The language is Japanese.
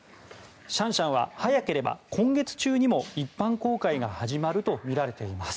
シャンシャンは早ければ今月中にも一般公開が始まるとみられています。